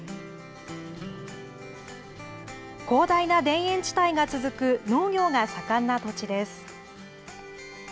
広大な田園地帯が続く、農業が盛んな土地です。